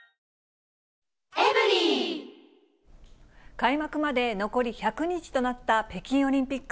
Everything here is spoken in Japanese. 開幕まで残り１００日となった北京オリンピック。